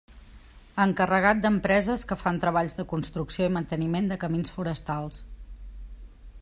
Encarregat d'empreses que fan treballs de construcció i manteniment de camins forestals.